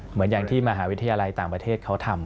เหมือนอย่างที่มหาวิทยาลัยต่างประเทศเขาทำ